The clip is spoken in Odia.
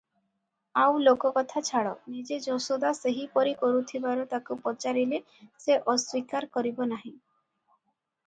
ଆଉ ଲୋକକଥା ଛାଡ଼, ନିଜେ ଯଶୋଦା ସେହିପରି କରୁଥିବାର ତାକୁ ପଚାରିଲେ ସେ ଅସ୍ୱୀକାର କରିବନାହିଁ ।